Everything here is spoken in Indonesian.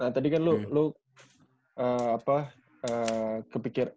nah tadi kan lu lu apa kepikir